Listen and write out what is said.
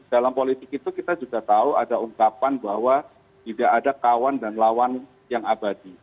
dalam politik itu kita juga tahu ada ungkapan bahwa tidak ada kawan dan lawan yang abadi